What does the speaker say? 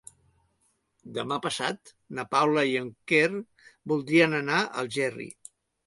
Demà passat na Paula i en Quer voldrien anar a Algerri.